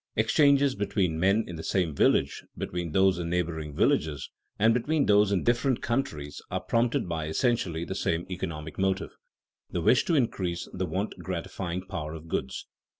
Exchanges between men in the same village, between those in neighboring villages, and between those in different countries, are prompted by essentially the same economic motive the wish to increase the want gratifying power of goods.